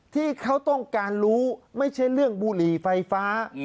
ที่เขาต้องการรู้ไม่ใช่เรื่องบุหรี่ไฟฟ้า